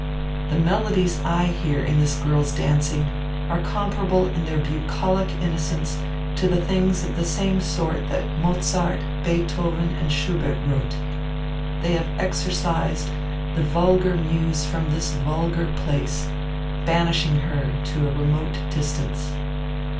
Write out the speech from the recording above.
The melodies I hear in this girl's dancing are comparable in their bucolic innocence to the things of the same sort that Mozart, Beethoven and Schubert wrote. They have exorcised the vulgar muse from this vulgar place, banishing her to a remote distance."